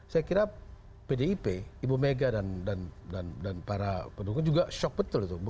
saya kira pdip ibu mega dan para pendukung juga shock betul itu